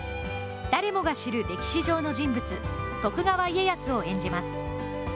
誰もが知る歴史上の人物、徳川家康を演じます。